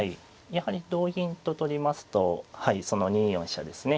やはり同銀と取りますとその２四飛車ですね